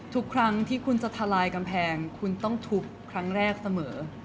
ทุกครั้งที่คุณจะทลายกำแพงคุณต้องทุบครั้งแรกเสมอ